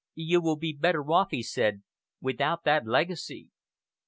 "You will be better off," he said, "without that legacy!"